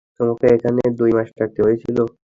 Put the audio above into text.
তোমাকে এখানে দুই মাস থাকতে হয়েছিল।